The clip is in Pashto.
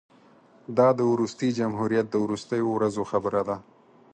دا د وروستي جمهوریت د وروستیو ورځو خبره ده.